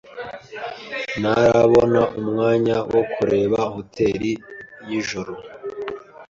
Ntarabona umwanya wo kureba hoteri yijoro.